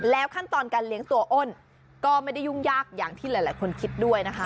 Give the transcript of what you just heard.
ขั้นตอนการเลี้ยงตัวอ้นก็ไม่ได้ยุ่งยากอย่างที่หลายคนคิดด้วยนะคะ